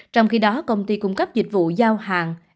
trong khi đó công ty cung cấp dịch vụ giao hàng